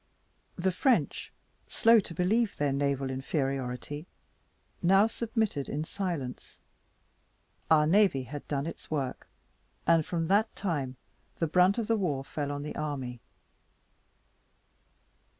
The French, slow to believe their naval inferiority, now submitted in silence. Our navy had done its work; and from that time, the brunt of the war fell on the army.